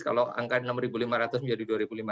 kalau angka enam lima ratus menjadi dua lima ratus